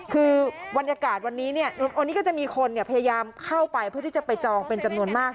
คือบรรยากาศวันนี้เนี่ยวันนี้ก็จะมีคนพยายามเข้าไปเพื่อที่จะไปจองเป็นจำนวนมาก